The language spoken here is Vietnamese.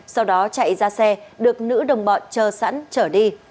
sau đó chạy ra xe được nữ đồng bọn chờ sẵn trở đi